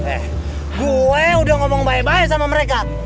eh gue udah ngomong baik baik sama mereka